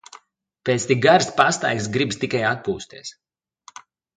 Pēc tik garas pastaigas gribas tikai atpūsties.